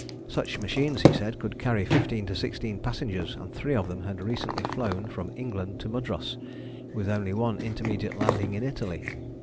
Such machines, he said, could carry fifteen to sixteen passengers, and three of them had recently flown from England to Mudros, with only one intermediate landing in Italy.